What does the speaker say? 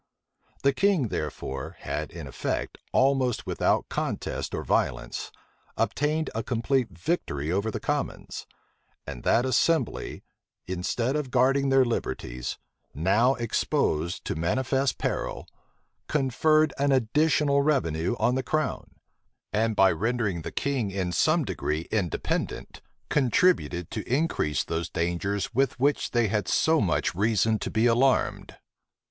The king, therefore, had in effect, almost without contest or violence, obtained a complete victory over the commons; and that assembly, instead of guarding their liberties, now exposed to manifest peril, conferred an additional revenue on the crown; and, by rendering the king in some degree independent, contributed to increase those dangers with which they had so much reason to be alarmed.